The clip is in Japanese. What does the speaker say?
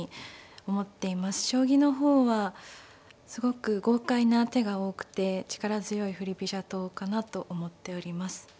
将棋の方はすごく豪快な手が多くて力強い振り飛車党かなと思っております。